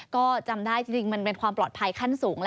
ก็จำได้จริงมันเป็นความปลอดภัยขั้นสูง